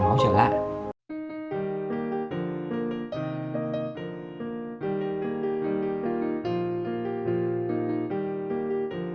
máu trở lại